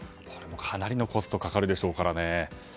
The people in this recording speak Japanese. かなりのコストがかかるでしょうからね。